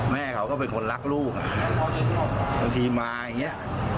แม่เขาก็เป็นคนรักลูกบางทีมาอย่างเงี้ย